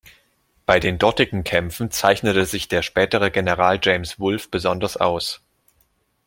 Bei den dortigen Kämpfen zeichnete sich der spätere General James Wolfe besonders aus.